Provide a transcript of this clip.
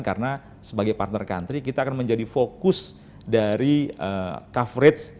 karena sebagai partner country kita akan menjadi fokus dari coverage